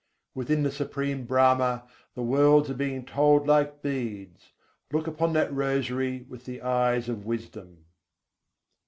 Within the Supreme Brahma, the worlds are being told like beads: Look upon that rosary with the eyes of wisdom.